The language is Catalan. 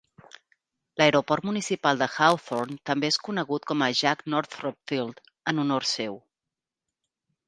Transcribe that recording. L'aeroport municipal de Hawthorne també és conegut com a Jack Northrop Field en honor seu.